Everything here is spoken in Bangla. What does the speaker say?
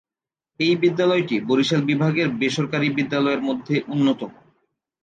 এই বিদ্যালয়টি বরিশাল বিভাগের বেসরকারী বিদ্যালয়ের মধ্যে অন্যতম।।